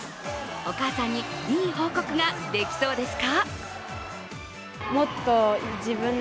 お母さんに、いい報告ができそうですか？